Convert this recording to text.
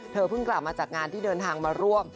เพิ่งกลับมาจากงานที่เดินทางมาร่วม